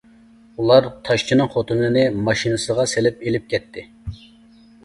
ئۇلار تاشچىنىڭ خوتۇنىنى ماشىنىسىغا سېلىپ ئېلىپ كەتتى.